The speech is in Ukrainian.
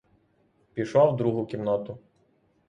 Пішла в другу кімнату.